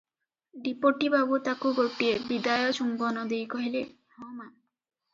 Deputy ବାବୁ ତାକୁ ଗୋଟିଏ ବିଦାୟ ଚୁମ୍ବନ ଦେଇ କହିଲେ, "ହଁମା!